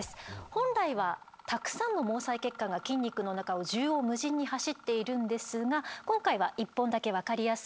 本来はたくさんの毛細血管が筋肉の中を縦横無尽に走っているんですが今回は１本だけ分かりやすく表しています。